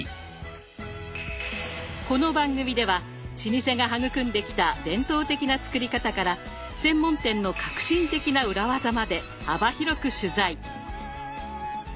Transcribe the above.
この番組では老舗が育んできた伝統的な作り方から専門店の革新的な裏技まで幅広く取材。